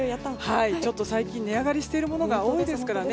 最近値上がりしているものが多いですからね。